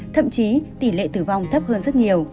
thậm chí tỷ lệ tử vong thấp hơn rất nhiều